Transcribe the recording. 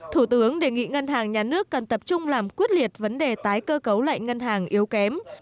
thủ tướng đề nghị ngân hàng nhà nước cần tập trung làm quyết liệt vấn đề tái cơ cấu lại ngân hàng yếu kém